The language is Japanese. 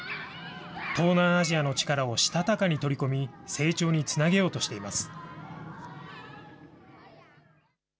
東南アジアの力をしたたかに取り込み、成長につなげようとしています。